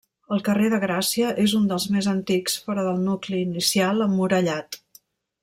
El carrer de Gràcia és un dels més antics fora del nucli inicial emmurallat.